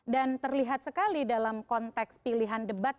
dan terlihat sekali dalam konteks pilihan debat